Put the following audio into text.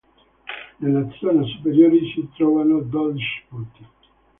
Nella zona superiore, si trovano dodici putti.